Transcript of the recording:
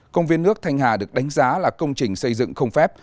công viên nước thanh hà được đánh giá là công trình xây dựng không phép